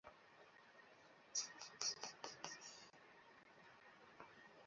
অবশেষে কালকের ছুটি চার মাসের কন্যাসন্তানের কাছে থাকার সুযোগ করে দিল।